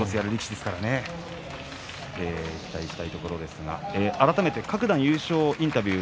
期待したいところですが改めて各段優勝インタビュー